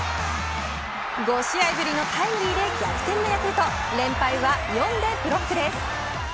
５試合ぶりのタイムリーで逆転のヤクルト連敗は４でブロックです。